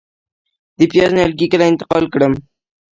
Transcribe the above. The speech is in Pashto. د پیاز نیالګي کله انتقال کړم؟